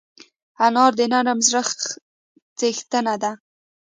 انا د نرم زړه څښتنه ده